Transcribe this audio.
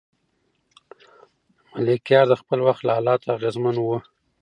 ملکیار د خپل وخت له حالاتو اغېزمن و.